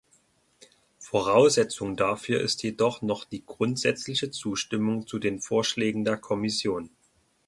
Voraussetzung dafür ist jedoch noch die grundsätzliche Zustimmung zu den Vorschlägen der Kommission.